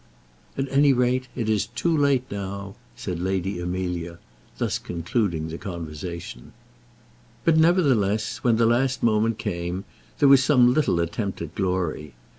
"At any rate, it is too late now," said Lady Amelia, thus concluding the conversation. But nevertheless, when the last moment came, there was some little attempt at glory.